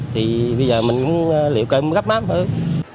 thì bây giờ mình cũng liệu cơm gấp mắm thôi